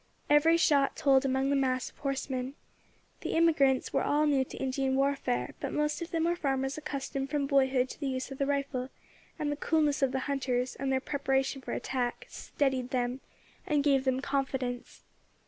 Every shot told among the mass of horsemen. The emigrants were all new to Indian warfare, but most of them were farmers accustomed from boyhood to the use of the rifle, and the coolness of the hunters, and their preparation for attack, steadied them, and gave them confidence.